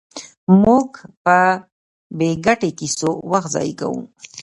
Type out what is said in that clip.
موږ په بې ګټې کیسو وخت ضایع کوو.